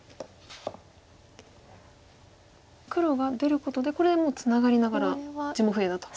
黒が出ることでこれでもうツナがりながら地も増えたと。